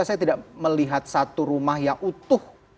saya tidak melihat satu rumah yang utuh